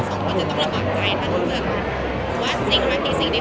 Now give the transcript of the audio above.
แต่ก็ขอบคุณภาษาให้ด้วยเนี่ย